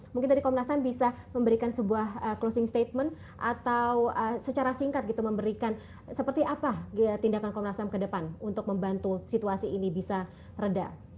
mungkin dari komnas ham bisa memberikan sebuah closing statement atau secara singkat gitu memberikan seperti apa tindakan komnas ham ke depan untuk membantu situasi ini bisa reda